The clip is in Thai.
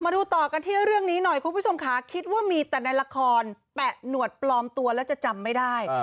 ดูต่อกันที่เรื่องนี้หน่อยคุณผู้ชมค่ะคิดว่ามีแต่ในละครแปะหนวดปลอมตัวแล้วจะจำไม่ได้